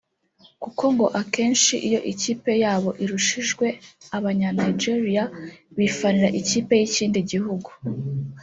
kuko ngo akenshi iyo ikipe yabo irushijwe abanya Nigeria bifanira ikipe y’ikindi gihugu